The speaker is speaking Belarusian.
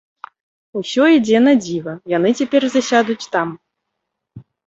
Усё ідзе надзіва, яны цяпер засядуць там.